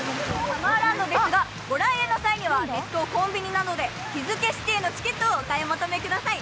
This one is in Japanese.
サマーランドですが、ご来園の際はネット、コンビニなどで日付指定のチケットをお買い求めください。